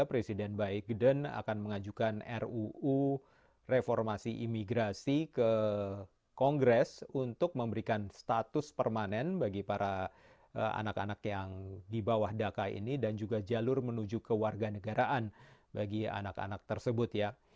presiden biden akan mengajukan ruu reformasi imigrasi ke kongres untuk memberikan status permanen bagi para anak anak yang dibawah daka ini dan juga jalur menuju ke warga negaraan bagi anak anak tersebut ya